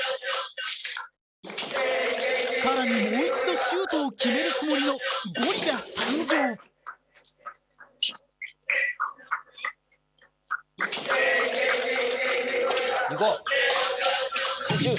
更にもう一度シュートを決めるつもりのゴリラ！いこう！